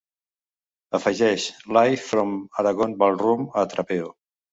Afegeix Live from Aragon Ballroom a Trapeo